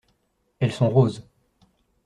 Elles sont roses.